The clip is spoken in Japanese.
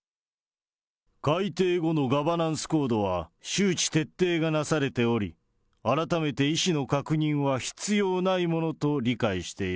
改訂後のガバナンスコードは周知徹底がなされており、改めて意思の確認は必要ないものと理解している。